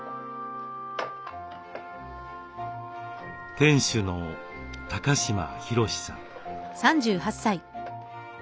店主の高島浩さん。